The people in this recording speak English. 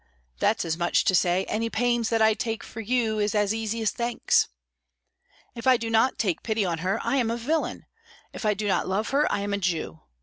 That's as much as to say, 'Any pains that I take for you is as easy as thanks.' If I do not take pity on her, I am a villain; if I do not love her, I am a Jew.